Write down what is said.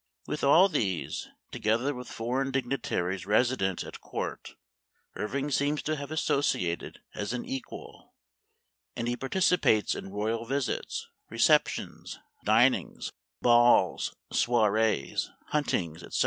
With all these, together with foreign dignitaries resident at Court, Irving seems to have associated as an equal ; and he participates in royal visits, re ceptions, dinings, balls, soirees, huntings, etc.